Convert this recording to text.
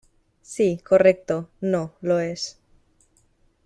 Sí, correcto. No , lo es .